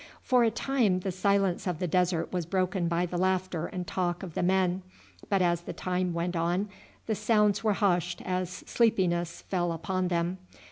For a time the silence of the desert was broken by the laughter and talk of the men, but as the time went on the sounds were hushed as sleepiness fell upon them.